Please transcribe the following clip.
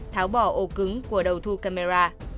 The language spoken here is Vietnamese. tháo bỏ ồ cứng của đầu thu camera